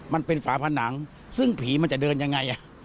มันเป็นฝาผนังซึ่งผีมันจะเดินยังไง